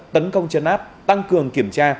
tấn công chấn áp tăng cường kiểm tra